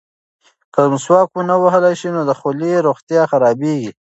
که مسواک ونه وهل شي نو د خولې روغتیا خرابیږي.